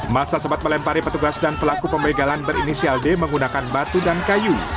masa sempat melempari petugas dan pelaku pembegalan berinisial d menggunakan batu dan kayu